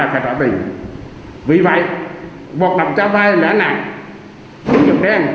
hoạt động cho vay lãi nặng